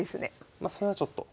まそれはちょっと。